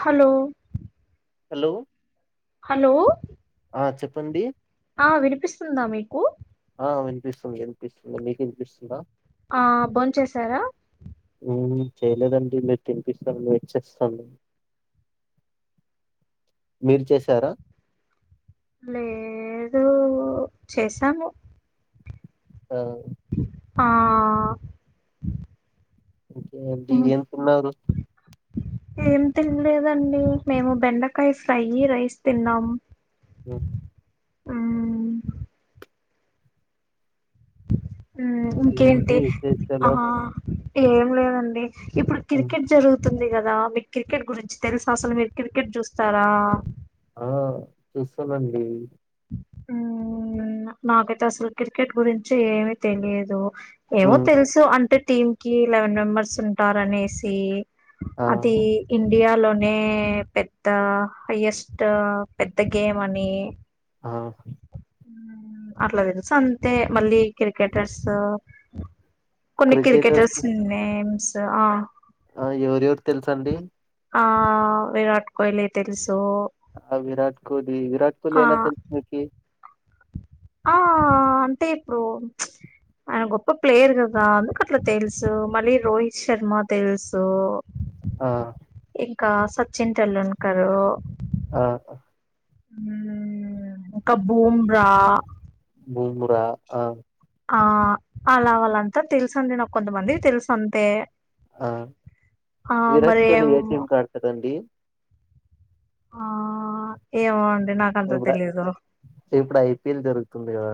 Hello hello hello ఆ చెప్పండి ఆ వినిపిస్తుందా మీకు ఆ వినిపిస్తుంది వినిపిస్తుంది మీకు వినిపిస్తుందా ఆ భోంచేశారా మ్మ్ చేయలేదండి మీరు తినిపిస్తారని వెయిట్ చేస్తున్నా మీరు చేశారా లేదు చేసాము ఆ ఆ ఇంకేంటి ఉమ్, ఏం తిన్నారు ఏం తినలేదండి మేము బెండకాయ ఫ్రై రైస్ తిన్నాం ఉ ఉ ఉ ఇంకేంటి ఆ ఏం లేదండి ఇప్పుడు ఉమ్, క్రికెట్ జరుగుతుంది కదా మీకు క్రికెట్ గురించి తెలుసా అసలు మీరు క్రికెట్ చూస్తారా ఆ చూస్తానండి ఉ నాకైతే అసలు క్రికెట్ గురించి ఏమీ తెలియదు ఏమో మ్మ్ తెలుసు అంటే టీమ్ కి లెవెన్ మెంబర్స్ ఉంటారు అనేసి ఆ అదే ఇ ఇండియాలోనే పెద్ద హైయెస్ట్ పెద్ద గేమ్ అని ఆ అట్లాదేదు స అంతే మళ్ళీ క్రికెటర్స్ ఆ కొన్ని క్రికెటర్స్ నేమ్స్ ఆ ఆ ఎవరెవరు తెలుస అండి ఆ విరాట్ కోహ్లీ తెలుసు ఆ విరాట్ కోహలీ అ విరాట్ కోహలీ ఆ ఎలా తెలిసుందికి ఆ అంటే ఇప్పుడు గొప్ప ప్లయర్ కాబట్టి అట్లా తెలుసు మళ్ళీ రోహిత్ శర్మ తెలుసు ఆ ఇంకా సచిన్ టెండూల్కరు ఆ హ కా బూబ్రా భూమురా ఆ ఆ అలా వాళ్ళంతా తెలుసుందిడి నాకు కొంతమందికి తెలుసు అంతే ఆ ఆ విరాట్ మరి ఏం కోహ్లీ ఏ టీం కాడుతారు అండి ఆ ఏమొ ఇప్పుడ ఇప్పుడు ఐపిఎల్ జరుగుతుంది కదా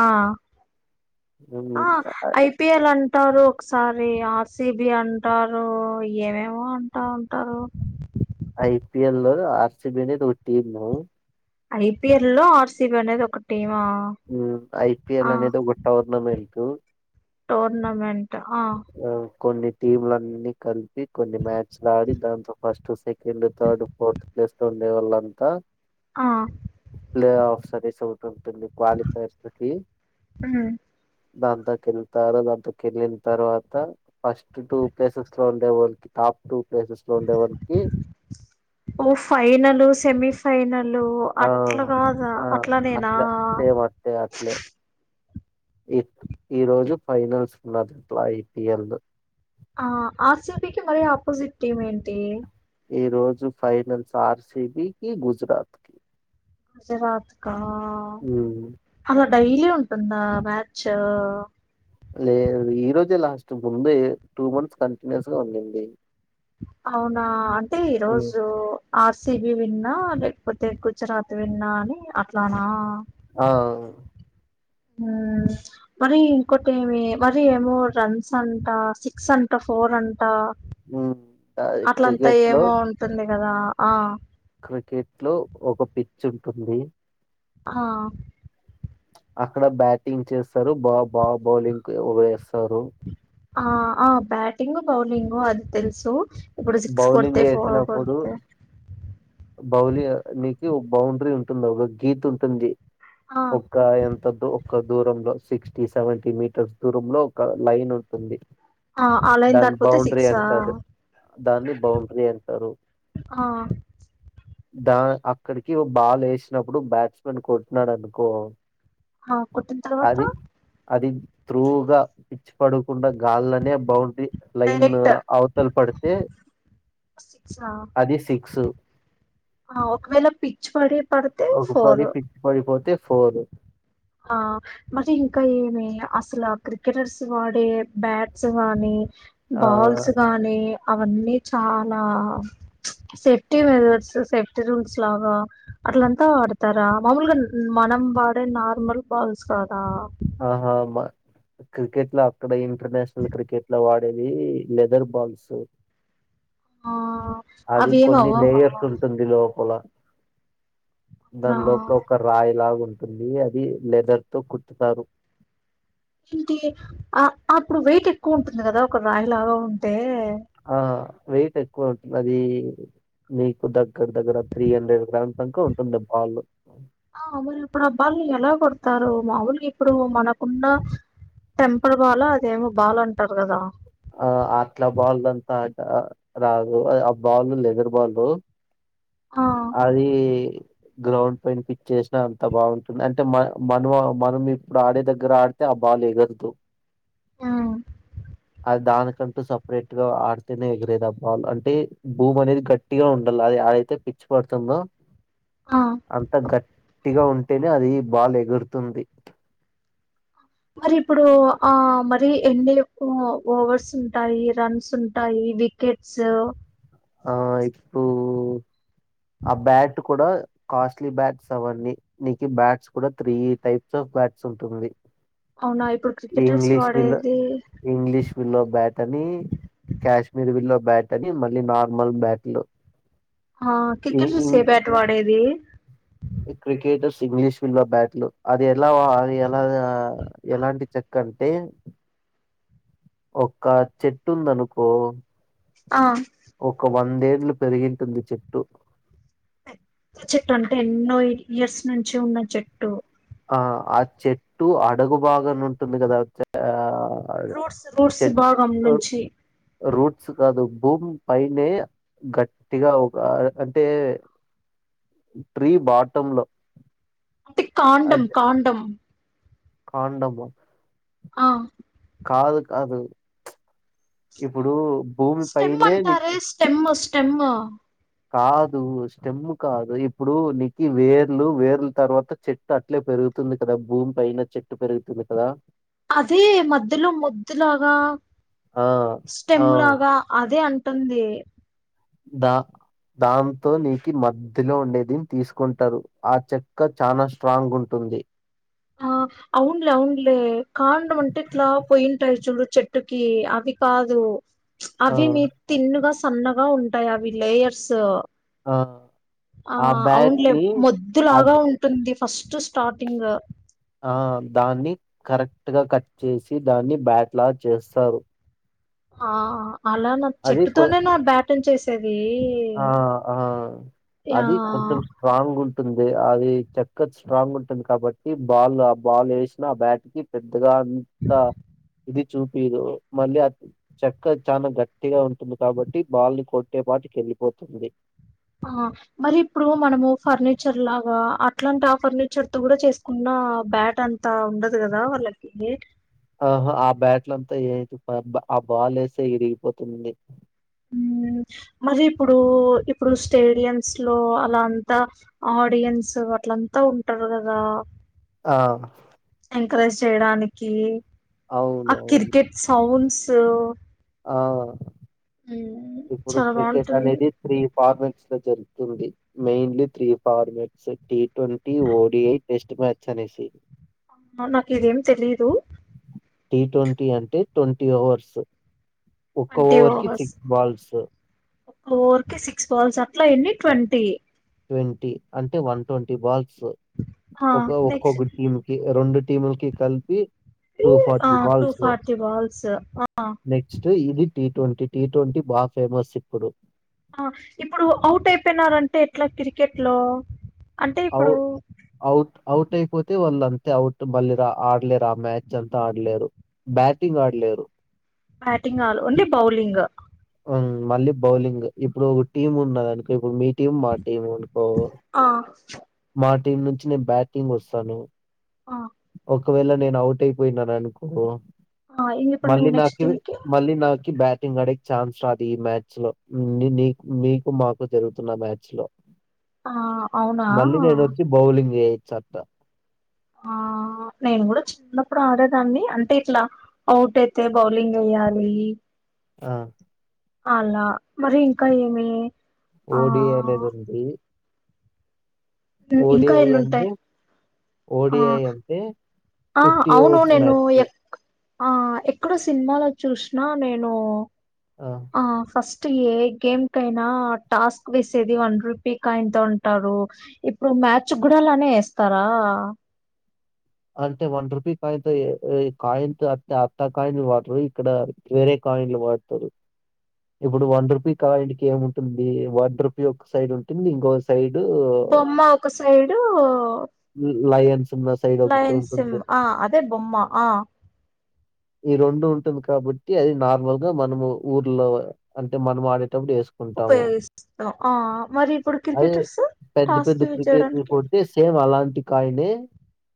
ఆ ఆ ఐపిిఎల్ అంట అంటారు ఒకసారి ఆర్సిబి అంటారు ఏమేమో అంటా ఉంటారు ఐపిఎల్ లో ఆర్సిబి అనేది ఒక టీమ్ ఐపిఎల్ లో ఆర్సిబి అనేది ఒక టీం ఉ ఐ పిఎల్ అనేదో టోర్నమెంట్ టోర్నమెంట్ ఆ అ కొం టీంలన్నిీ కలిపి కొన్ని మ్యాచ్లు ఆడి దాంతో first second third fourth place లో ఉండే వాళ్ళంతా ఆ ప్లేఫ్ సర్వీస్ అవటం పలి క్వాలిఫైర్స్ ఉమ్. దాంతా కెళ్తారు దాంత కలి తర్వాత ఫస్ట్ టూ ప్లేసెస్ లో ఉండే వాళ్ళకి టాప్ టూ ప్లేసెస్ లో ఉండే వాళ్ళకి ఓ ఫైైనల్ సెమీ ఫైైనల్ వాళ్ళు ఆ అట్లా కాదా ఆ అట్లా నేనా ఈరోోజు ఫైనల్స్ ఉన్నది అట్లా ఐపీఎల్ ఆ ఆర్ సి బి కి మరి ఆపోజిట్ టీమ్ ఏంటి ఈ రోజు ఫైనల్స్ ఆర్సిబికిి గుజరాత్ కి గుజరాత్ కా అ అలా డైలీ ఉంటుందా మ్యాచ్ లేదు ఈ రోజే లాస్ట్ ముంద టూ మంత్స్ కంటిన్యూస్ గా ఉందిండీ అవునా అంటే ఈ ఉమ్, రోజు ఆర్సిబి విన్నా లేకపోతే గుజరాత్ విన్నా అని అట్లానా ఆ ఆ మరి ఇంకోటి ఏమి మరి ఏమో రన్స్, అంట సిక్స్ అంట, ఫోర్ అంట హ్మ్ టాది క్రికెట్ లో గదా ఆ క్రికెట్ లో ఒక పిచ్చు ఉంటుంది. ఆ ప్చ్ అక్కడ బ్యాటింగ్ చేస్తారు. బా, బా, బౌలింగ్ కు వేస్తారు. ఆ ఆ బ్యాటింగ్, బౌలింగు అది తెలుసు. ఇప్పుడు సిక్స్ బౌలింగ్ కొడితే, ఫోర్ కొడితే బౌలియనికి ఒ బౌండరీ ఉంటుంది. ఒక గీత ఉంటుంది. ఆ ఓక్కా ఎంతక్కు ఒక దూరంలో సిక్స్టీ సెవెంటీ, మీటర్స్ దూరంలో ఒక లైన్ ఉంటుంది. ఆ ఆన్లైన్ దాని దాటిపోతే బౌండరీ సిక్సా అంటారు దాన్ని బౌండ్రీ అంటారు. ఆ దా అక్కడికి ఒ బాల్ వేసినప్పుడు బ్యాట్స్మెన్ కొట్టిన్నాడు అనుకో ఆ కొట్టిన తర్వాత త్రుగా పిచ్ పడకుండా గాల్లోనే బౌండ్రీ లైన్న్ డైరెక్ట్ అవుత్ సిక్సా అది సిక్స్ ఆ ఒకవేళ పిచ్ పడే పడ్ ఓక్ పడి పిక్ పడిత్ పోతే ఫోరు ఆ మరి ఇంకా ఏమి అసలు ఆ క్రికెటర్స్ వాడే బ్యాట్స్ గానీ ఆ బాల్స్ గానీ అవన్నీ చాలా సేఫ్టీ మెదర్స్, సేఫ్టీ రూల్స్, లాగా అట్లంతా వాడతారా మామూలుగా, మనం వాడే నా ఉమ్మల్ పాల్స్ కదా. ఆహా మా క్రికెట్ లో అక్కడ ఏం ఇంటర్నేషనల్ క్రికెట్ల అవార్డ్ అంటే ఇది లెదర్ బాల్స్ ఆ! అది అవేమి కొన్ని అవ్వవా? లేేయర్స్ ఉంటుంది. లోపల నా దాని లోపల ఒక రాయిలాగా ఉం టుంది. అది లెదర్ తో కుట్ చెప్తారు. ఏంటి ఆ అప్పుడు వెయిట్ ఎక్కువ ఉంటుంది. కదా ఒక రాయి లాగా ఉంటే ఆ వెయిట్ ఎ ఎక్కువ ఉంటుంది. అది నీకు దగ్గర దగ్గర త్రీ హండ్రెడ్ గ్రామ్స్ దాంక ఉంటుంది. బాల్లు ఆ మాములు ఇప్పుడు ఆ బాల్ని ఎలా కొడతారు. మాములు ఇప్పుడు మనకున్న టెంపల్ బాలా అదేమో బాల్ అంటారు. కదా ఆ అట్లా బాల్ దంతా ఇట రాదు. ఆ బాల్లు లెదర్ బాల్లు ఆ! అది గ్రౌండ్ పైన పిచ్చేస్నా అంత బావుంటుండె అంటే మ మనువ మనం, ఇప్పుడు ఆడే దగ్గర ఆడితే ఆ బాల్ ఎగదు. హ్మ్. దానికంటూ సపరేట్ గా ఆడితేనే ఎగిరేది. ఆ బాల్ అంటే భూమి అనేది గట్టిగా ఉండాల అ అది అదైతే పిచ్చ్ పడుతుందో ఆ! అంత గ ట్టిగా ఉంటేనే అది బాల్ ఎగురుతుంది. మరి ఇప్పుడు, ఆ మరి ఎన్ని కు ఓవర్స్ ఉంటాయి. రన్స్ ఉంటాయి, వికెట్స్ ఆ ఇప్పు ఆ బ్యాట్ కూడా కాస్ట్లీ బ్యాట్స్ అవన్నీ నీకి బ్యాట్స్ కూడా త్రీ టైప్స్ ఆఫ్ బ్యాట్స్ ఉంటుంది. అవునా? ఇప్పుడు క్రికెటర్స్ ఇంగ్లీష్ విల్ వాడేది ఇంగ్లీష్ విల్లో బ్యాటని, కాశ్మీర్ విలో బ్యాట్ అని మళ్ళీ నార్ మల్ బ్యాక్ లో ఆ క్రికెట్ చూసే బాట్ వాడేది. క్రికెటర్స్ ఇంగ్లీష్ ఫీడ్లో బ్యాట్లు, అది ఎలా ఎలా ఎలాంటి చెక్క అంటే ఒక్క చెట్టు ఉందనుకో ఆ! ఒక్కవం వందేళ్లు పెరిగింటుంది. చెట్టు పెద్ద చెట్టు అంటే ఎన్నో ఇయర్స్ నుంచి ఉన్న చెట్టు. ఆ ఆ చెట్టు అడుగుబాగన ఉంటుంది. కదా చా రూట్స్ రూట్స్ భాగం నుంచి రూట్స్ కాదు. భూమి పైనే గట్టిగా ఒక అంటే ట్రీ బాటమ్ లో టే కాండం అంటే కాండం. కాండము ఆ కాదు కాదు. చ్చ్ ఇప్పుడు భూమి స్టెమ్ పైనే నీకు అంటారె స్టెమ్ స్టెమ్మ్ కాదు స్టెమ్ కాదు. ఇప్పుడు నీకి వేర్లు వేర్ల తర్వాత చెట్టు అట్లే పెరుగుతుంది. కదా భూమి పైన చెట్టు పెరుగుతుంది కదా. అదే మధ్యలో ముద్దలాగా, ఆ స్టెమ్ ఆ లాగా అదే అం. టుంది. దా దాంతో నీకి మధ్యలో ఉండేది. తీసుకుంటారు ఆ చెక్క చానా స్ట్రాంగ్ ఉంటుంది. ఆ అవున్లే అవున్లే కాండమంటే ట్లా పోయింటయ్. చూడ్ చెట్టుకి అవి కాదు. ఆ అవి నీ తిన్ గా సన్నగా ఉంటాయి. అవి లేయర్స్ ఆ ఆ బ్యాట్ అవునులే ని మొద్దు అద్ లాగా ఉంటుంది. ఫస్ట్ స్టార్టింగ ఆ దాన్ని కరెక్ట్ గా కట్ చేసి దాన్ని బ్యాట్ లా చేస్తారు. ఆ అలా న అది కొ చెట్టుతోనే నా బ్యాట్ న్ చేసేది ఆ ఆ అది కొంచెం యాహ్! స్ట్రాంగ్ ఉంట్ టుంది అది చెక్క స్ట్రాంగ్ ఉంటుంది కాబట్టి బాల్ ఆ బాల్ ఏశినా ఆ బ్యాట్ కి పెద్ గా అంత ఇది చూపీదూ మళ్ళీ ఆ చెక్క చానా గట్టిగా ఉంటుంది కాబట్టి బాల్ని కొట్టేపాటికెళ్ళి పోతుంది. ఆ మరి ఇప్పుడు మనము ఫర్నిచర్ లాగా అట్లాంటి ఆ ఫర్నిచర్ తో కూడ చేసుకున్న బ్యాట్ అం తా ఉండదు కదా వాళ్ళకి ఇదీ బ్యాట్లంత ఏయదు ప ఆ బాల్ ఏస్తే ఇరిగిపోతుంది. ఉమ్ మరి ఇప్పుడూ ఇప్పుడు స్టేడియమ్స్ లో అలా అంతా ఆడియన్స్ అట్ల అంతా ఉంటరు కదా. ఆ ఎంకరేజ్ చేయడానికీ ఆ అవునవును. కిర్కెట్ సౌండ్ సూ అవు అవ్ ఇప్పుడు చాలా క్రికెట్ బావుంటుంది. అనేది త్రీ ఫార్మెట్స్ జరుగుతుంది mainly three formats T twenty, O D I test match అనేసి అవునా నాక్ ఇదేం తెలీదూ. టీ ట్వంటీ అంటే ట్వంటీ ఓవర్స్. ఒక్క ఓవర్ కి సిక్స్ బాల్స్. ఓవర్ కి సిక్స్ బాల్స్ అట్లా ఎన్ని ట్వంటీ. ట్వంటీ అంటే వన్ ట్వంటీ బాల్ స్ ఆ! ఒక ఒక్కొక్క నెక్స్ట్‌కి టీమ్ కి రెండు టీముల్కి కలిపీ ఆ టూ ఫార్టీ బాల్స్ ఆ నెక్స్ట్ ఇది టీ ట్వంటీ. టీ ట్వంటీ బాగ ఫేమస్ ఇప్పుడు. ఆ ఇప్పుడు అవుట్ అయిపోయినారంటే ఎట్లా క్రికెట్ లో. అంటే అవు ఇప్పుడూ అవుట్ అవుట్ అయిపోతే వాళ్ అంతే అవుట్ మళ్ళీ రా ఆడలేరు ఆ మ్యాచ్ అంతా ఆడలేరు బ్యాటింగ్ ఆడలేరు బ్యాటింగ్ ఆడ్ ఓన్లీ బౌలింగ. హ్మ మళ్ళీ బౌలింగ. ఇప్పుడు ఒక టీమ్ ఉన్నదనుకో ఇప్పుడు మీ టీమ్ మా టీమనుకో ఆ! మా టీమ్ నుంచి నేను బ్యాటింగ్ వస్తాను ఆ ఒకవేళ నేను అవుట్ అయిపోయినాను అనుకో ఆ ఇంగ ఇప్పుడు నువ్వు నెక్స్ట్ మల్లినాకి ఇంకి మల్లినా బ్యాటింగ్ అడేకి ఛాన్స్ రాదు ఈ మ్యాచ్ లో నీ మీకు మాకు జరుగుతున్న మ్యాచ్ లో ఆ అవునా మళ్ళీ నేను వచ్చి బౌలింగ్ చేయ చెప్ప ఆ నేను కూడా చిన్నప్పుడు ఆడేదాన్ని అంటే ఇట్లా అవుట్ అయితే బౌలింగ్ వేయ్యాలి ఆ అలా మరి ఇంకా ఏమి ఆ ఓడి అనేది ఉంది ఇంకా ఓడిఐ ఎన్నుంటాయి అంటె ఆ ఓడిఐ అంటె ఆ అవును నేను ఎక్ ఆ ఎక్కడో సినిమాలో చూసినా నేను ఆ ఫస్ట్ ఫస్ట్ ఏ గేమ్ కైనా టాస్క్ వేసేది వన్ రూపీకాయిన్ తో ఉంటారు ఇప్పుడు మ్యాచ్ కూడా అలానే వేస్తారా అంటే వన్ రూపీ కాయిన్తో కాయిన్తో అ అత్తా కాయిన్లు వాడరు ఇక్కడ వేరే కాయిన్లు వాడతారు ఇప్పుడు వన్ రుపీ కాయిన్కి ఏము ఉంటుంది వన్ రుపీ ఒక సైడ్ ఉంటుంది ఇంకోొక సైడ్ బొమ్మ ఒక సైడు లయన్స్ ఉన్న సైడ్ ఒకటి ఉంటుంది న్ ఆ అదే బొమ్మా ఆ ఈ రెండు ఉంటుంది కాబట్టి అది నార్మల్ గా మనము ఊర్లో అంటే మనం ఆడేటప్పుడు వేసుకు ఉపయోగిస్తాం ఆ మరి ఇప్పుడు అదే క్రికెటర్స్ పెద్ద టాస్క్ చేయడానికి కాయలే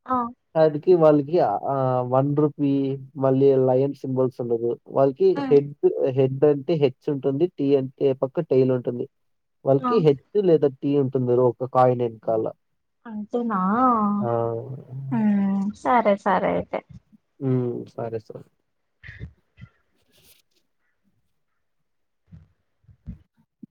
ఆ వాళ్ళకి ఆ వన్ రుపీ మళ్ళీ లయన్ సింబల్స్ ఉండదు వాళ్ళకి హెడ్ హెడ్ అంటే హెచ్ ఉంటుంది టీ అంటే పక్క టైల్ ఉంటుంది ఆ వాల్కి హేచ్ లేదా టీ ఉంటుంది మీరు ఒక కాయిన వెనకాల ఆ అంతేనా అవును. సరే సరే అయితే సరే సరే